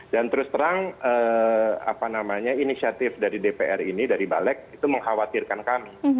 dan terus terang apa namanya inisiatif dari dpr ini dari balek itu mengkhawatirkan kami